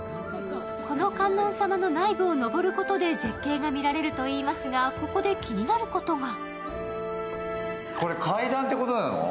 この観音様の内部を上ることで絶景が見られるといいますがここで気になることが。